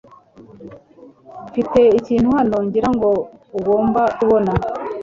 Mfite ikintu hano ngira ngo ugomba kubona